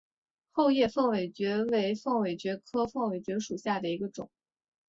厚叶凤尾蕨为凤尾蕨科凤尾蕨属下的一个种。